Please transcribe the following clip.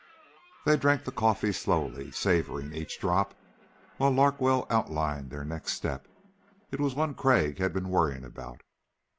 They drank the coffee slowly, savoring each drop, while Larkwell outlined their next step. It was one Crag had been worrying about.